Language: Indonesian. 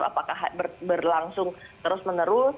apakah berlangsung terus menerus